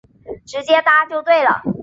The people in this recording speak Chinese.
直接搭就对了